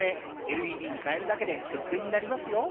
ＬＥＤに替えるだけで節電になりますよ。